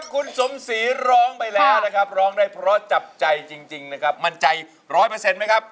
คุณสมศรีร้องไปแล้วนะครับร้องได้เพราะจับใจจริงนะครับมั่นใจร้อยเปอร์เซ็นต์ไหมครับ